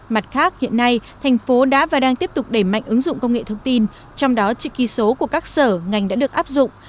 mặt khác hiện nay thành phố đã và đang tiếp tục đẩy mạnh ứng dụng công nghệ thông tin trong đó trực kỳ số của các sở ngành đã được áp dụng